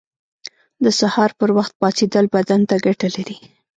• د سهار پر وخت پاڅېدل بدن ته ګټه لري.